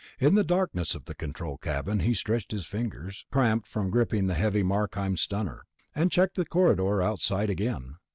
In the darkness of the control cabin he stretched his fingers, cramped from gripping the heavy Markheim stunner, and checked the corridor outside again.